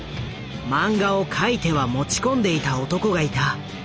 漫画を描いては持ち込んでいた男がいた。